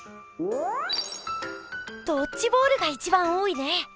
「ドッジボール」が一番多いね。